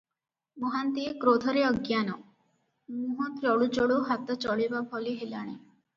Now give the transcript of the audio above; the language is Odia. ମହାନ୍ତିଏ କ୍ରୋଧରେ ଅଜ୍ଞାନ, ମୁହଁ ଚଳୁ ଚଳୁ ହାତ ଚଳିବା ଭଳି ହେଲାଣି ।